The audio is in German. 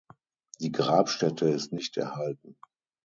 Die Grabstätte ist nicht erhalten.